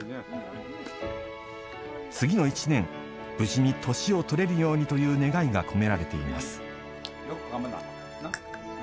次の１年無事に年をとれるようにという願いが込められています。